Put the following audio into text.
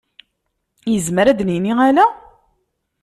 Yezmer ad d-nini ala?